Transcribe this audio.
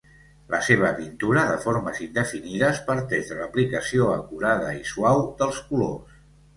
La seva pintura, de formes indefinides, parteix de l'aplicació acurada i suau dels colors.